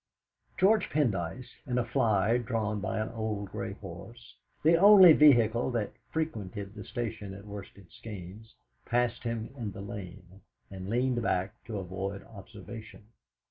George Pendyce, in a fly drawn by an old grey horse, the only vehicle that frequented the station at Worsted Skeynes, passed him in the lane, and leaned back to avoid observation.